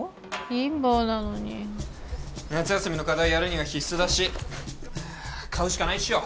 貧乏なのに夏休みの課題やるには必須だし買うしかないっしょ